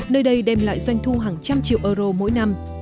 nơi đây đem lại doanh thu hàng trăm triệu euro mỗi năm